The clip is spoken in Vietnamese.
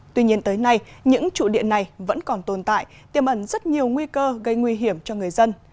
tuy nhiên tới nay những trụ điện này vẫn còn tồn tại tiêm ẩn rất nhiều nguy cơ gây nguy hiểm cho người dân